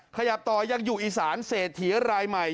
ขยับตอยังอยู่อีศาลเสถียรายใหม่